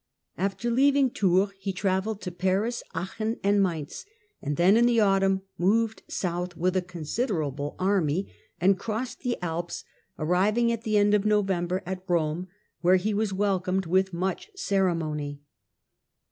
After leaving Tours he [travelled to Paris, Aachen and Mainz, and then, in the liutumn, moved south with a considerable army and hrossed the Alps, arriving at the end of November at [Rome, where he was welcomed with much ceremony.